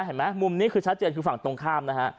เห็นไหมมุมนี้คือชัดเจนคือฝั่งตรงข้ามนะฮะ